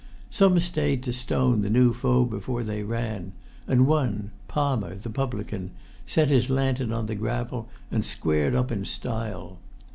Some stayed to stone the new foe before they ran; and one, Palmer the publican, set his lantern on the gravel and squared up in style.